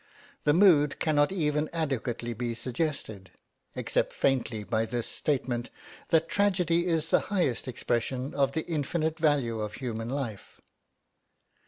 The mood cannot even adequately be suggested, except faintly by this statement that tragedy is the highest expression of the infinite value of human life.